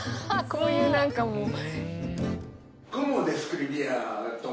こういう何かもう。